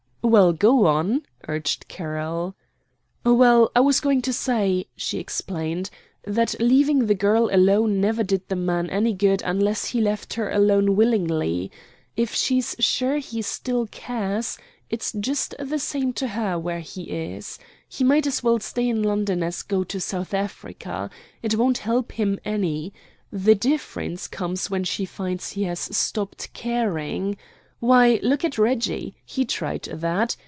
"Well, go on," urged Carroll. "Well, I was only going to say," she explained, "that leaving the girl alone never did the man any good unless he left her alone willingly. If she's sure he still cares, it's just the same to her where he is. He might as well stay on in London as go to South Africa. It won't help him any. The difference comes when she finds he has stopped caring. Why, look at Reggie. He tried that.